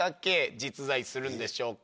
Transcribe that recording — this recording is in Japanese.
実在するんでしょうか？